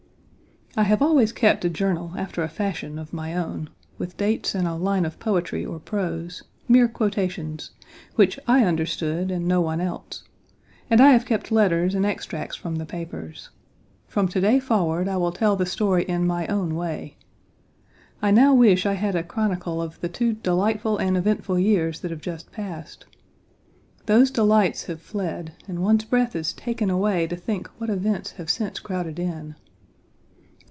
I have always kept a journal after a fashion of my own, with dates and a line of poetry or prose, mere quotations, which I understood and no one else, and I have kept letters and extracts from the papers. From to day forward I will tell the story in my own way. I now wish I had a chronicle of the two delightful and eventful years that have just passed. Those delights have fled and one's breath is taken away to think what events have since crowded in.